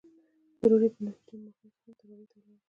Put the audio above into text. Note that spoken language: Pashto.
د روژې پر نهه ویشتم ماښام زه هم تراویحو ته ولاړم.